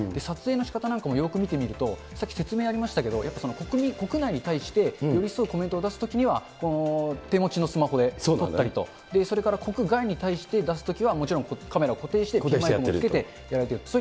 撮影のしかたなんかもよーく見てみると、さっき説明ありましたけど、やっぱり国内に対して、寄り添うコメントを出すときには、手持ちのスマホで撮ったりと、それから国外に対して出すときはもちろんカメラを固定してピンマイクも付けてやられている。